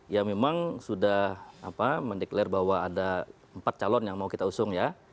ya memang sudah mendeklarasi bahwa ada empat calon yang mau kita usung ya